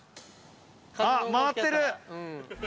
あっ、回ってる。